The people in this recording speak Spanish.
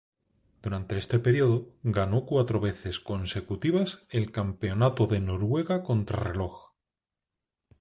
Durante este periodo, ganó cuatro veces consecutivas el Campeonato de Noruega Contrarreloj.